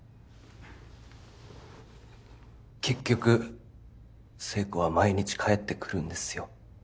結局せい子は毎日帰って来るんですよ